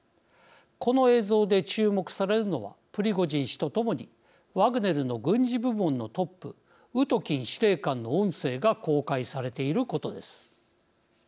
この映像で注目されるのはプリゴジン氏と共にワグネルの軍事部門のトップウトキン司令官の音声が公開されていることです。